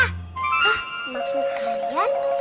hah maksud kalian